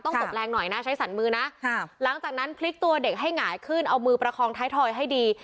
ตบแรงหน่อยนะใช้สรรมือนะหลังจากนั้นพลิกตัวเด็กให้หงายขึ้นเอามือประคองท้ายทอยให้ดี